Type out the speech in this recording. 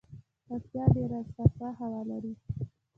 پکتيا ډیره صافه هوا لري